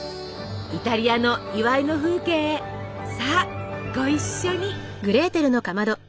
イタリアの祝いの風景へさあご一緒に！